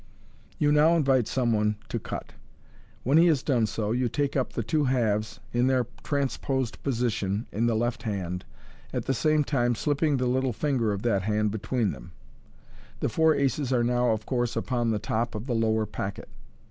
You now invite some one to cut. When he has done so, you take up the two halves, in their transposed position, in the left hand, at the same time slipping the little finger of that hand between them The four aces are now, of course, upon the top of the lower packet.